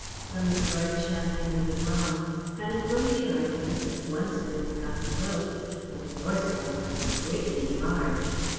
Some adroit champion of the Wrong had employed the argument that once Women got the vote, the Divorce Laws would be greatly enlarged.